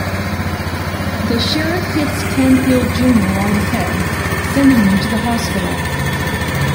The sheriff hits Canfield Junior on the head, sending him to the hospital.